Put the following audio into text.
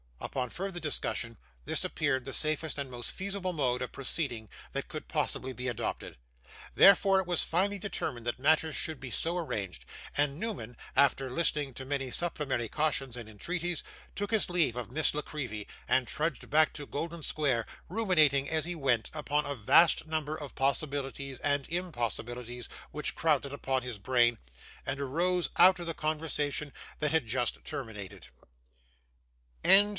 Upon further discussion, this appeared the safest and most feasible mode of proceeding that could possibly be adopted. Therefore it was finally determined that matters should be so arranged, and Newman, after listening to many supplementary cautions and entreaties, took his leave of Miss La Creevy and trudged back to Golden Square; ruminating as he went upon a vast number of possibilities and impossibilities which crowded upon his brain, and arose out of the conversation that had just terminated.